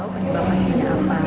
penyebab aslinya apa